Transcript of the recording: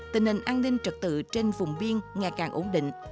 tình hình an ninh trật tự trên vùng biên ngày càng ổn định